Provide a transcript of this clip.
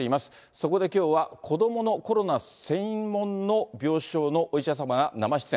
そこできょうは、子どものコロナ専門の病床のお医者様が生出演。